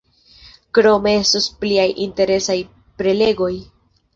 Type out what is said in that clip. Krome estos pliaj interesaj prelegoj.